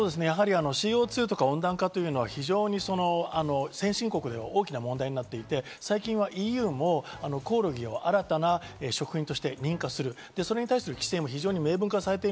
やはりＣＯ２とか温暖化というのは先進国では大きな問題になっていて、最近はＥＵもコオロギを新たな食品として認可する。